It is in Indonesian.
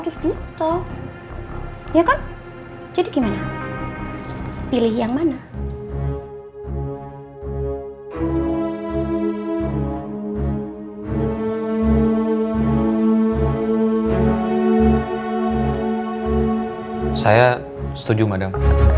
saya setuju madam